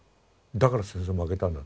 だから戦争負けたんだと。